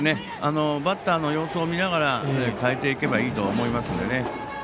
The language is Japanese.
バッターの様子を見ながら変えていけばいいとは思いますので。